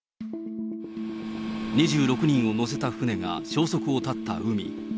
２６人を乗せた船が消息を絶った海。